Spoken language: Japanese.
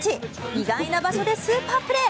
意外な場所でスーパープレー。